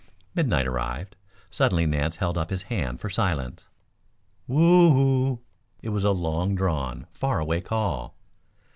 Midnight arrived. Suddenly Nance held up his hands for silence. "Whoo oo!" It was a long drawn, far away call.